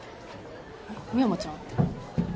深山ちゃん。